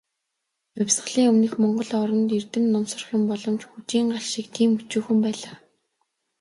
Хувьсгалын өмнөх монгол оронд, эрдэм ном сурахын боломж "хүжийн гал" шиг тийм өчүүхэн байлаа.